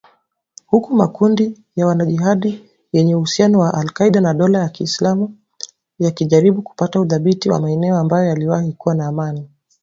Huku makundi ya wanajihadi yenye uhusiano na al-Qaeda na Dola ya Kiislamu yakijaribu kupata udhibiti wa maeneo ambayo yaliwahi kuwa na amani